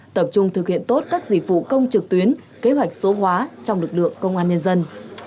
tập trung thực hiện tốt các dịch vụ công trực tuyến kế hoạch số hóa trong lực lượng công an nhân dân